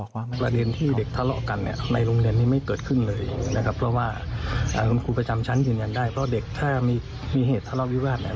ค่อนข้างจะขาดเตือนบ่อยแล้วก็มาเมืองสายบ้าง